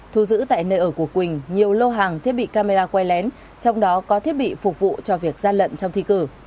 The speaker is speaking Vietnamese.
thu giữ tại nơi ở của quỳnh nhiều lô hàng thiết bị camera quay lén trong đó có thiết bị phục vụ cho việc gian lận trong thi cử